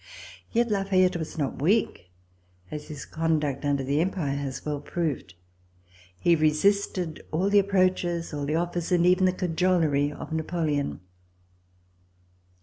Yet La Fayette was not weak, as his conduct under the Empire has well proved. He resisted all the ap proaches, all the offers and even the cajolery of Napoleon.